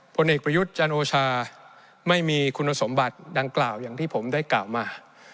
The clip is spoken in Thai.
ผลเอกประยุทธ์จันโอชาไม่มีคุณสมบัติดังกล่าวอย่างที่ผมได้กล่าวมา